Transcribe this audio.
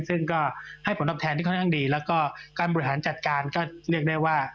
ซึ่งก็ให้ผลตอบแทนที่ค่อนข้างดีแล้วก็การบริหารจัดการก็เรียกได้ว่า